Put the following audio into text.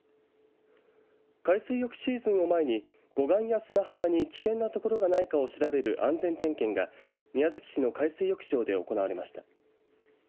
海水浴シーズンを前に護岸や砂浜に危険な所がないかを調べる安全点検が宮崎市の海水浴場で行われました。